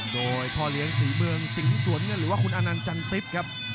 โดยพเลียงศรีเมืองสิงห์สวรหรือว่าคุณอนัลจันติ๊บครับ